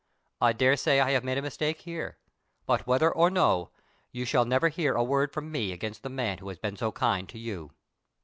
I daresay I have made a mistake here; but whether or no, you shall never hear a word from me against the man who has been so kind to you."